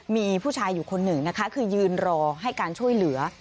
มีผู้ชายอยู่คนหนึ่งนะคะคือยืนรอให้การช่วยเหลือ